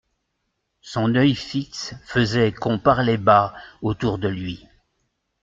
Son oeil fixe faisait qu'on parlait bas autour de lui.